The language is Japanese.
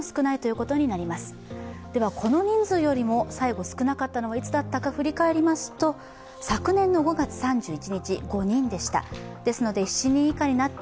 この人数よりも最後少なかったのはいつだったか振り返りますと昨年の５月３１日、５人でした。